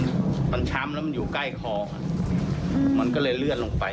ถ้าเป็นแบบนี้เราอยู่แบบนี้ไปตลอดมันก็จะเสี่ยงไหมครับพี่